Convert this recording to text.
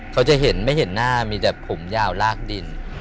เขาจะเห็นไม่เห็นหน้ามีแต่ผมยาวลากดิน